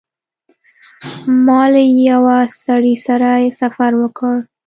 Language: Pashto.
ما له یوه سړي سره سفر وکړ.